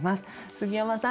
杉山さん